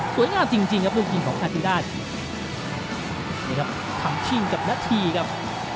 สวยงามจริงจริงครับลูกยิงของอาธิราชนี่ครับทำชิ้นกับนาธีครับ